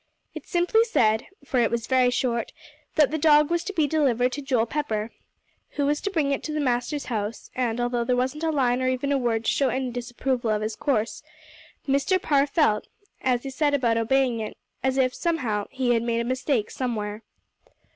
It simply said, for it was very short, that the dog was to be delivered to Joel Pepper, who was to bring it to the master's house; and although there wasn't a line or even a word to show any disapproval of his course, Mr. Parr felt, as he set about obeying it, as if somehow he had made a little mistake somewhere.